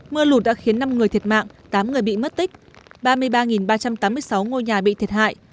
mưa lụt đã khiến năm người thiệt mạng tám người bị mất tích ba mươi ba ba trăm tám mươi sáu ngôi nhà bị thiệt hại